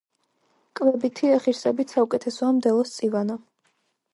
კვებითი ღირსებით საუკეთესოა მდელოს წივანა.